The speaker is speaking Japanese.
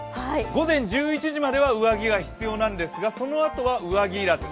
午前１１時までは上着が必要なんですが、そのあとは上着要らず。